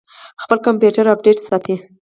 خپل کمپیوټر اپډیټ ساتئ؟